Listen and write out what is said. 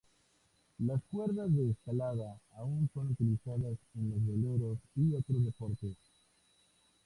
Las cuerdas de escalada aún son utilizadas en los veleros y otros deportes.